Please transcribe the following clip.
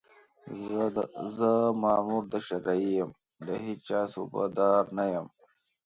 زه مامور د شرعي یم، د هېچا صوبه دار نه یم